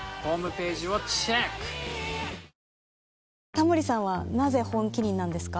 タモリさんはなぜ「本麒麟」なんですか？